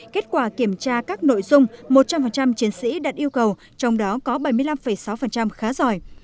kết quả kiểm tra các nội dung một trăm linh chiến sĩ đặt yêu cầu trong đó có bảy mươi năm sáu khá giỏi